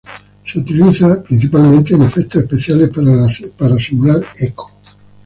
Se utiliza principalmente en efectos especiales para simular eco.